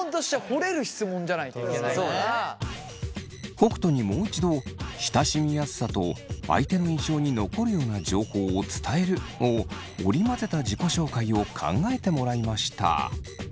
北斗にもう一度「親しみやすさ」と「相手の印象に残るような情報を伝える」を織り交ぜた自己紹介を考えてもらいました。